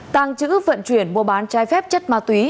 tàng trữ vận chuyển mua bán trái phép chất ma túy